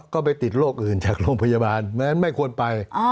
ก็ไปติดโรคอื่นจากโรงพยาบาลไม่ควรไป